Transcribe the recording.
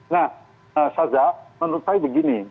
nah saza menurut saya begini